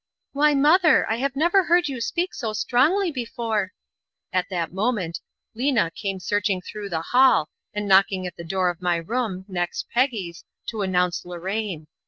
"Why, mother, I have never heard you speak so strongly before " At that moment Lena came searching through the hall, and knocking at the door of my room, next Peggy's, to announce Lorraine.